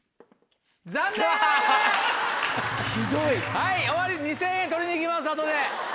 はい終わり２０００円取りに行きます後で。